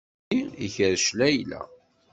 Sami ikerrec Layla.